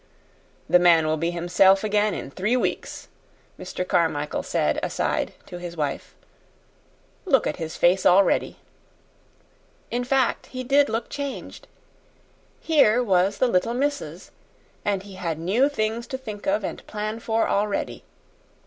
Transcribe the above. "The man will be himself again in three weeks," Mr. Carmichael said aside to his wife. "Look at his face already." In fact, he did look changed. Here was the "Little Missus," and he had new things to think of and plan for already.